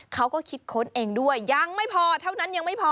เขาก็คิดค้นเองด้วยยังไม่พอเท่านั้นยังไม่พอ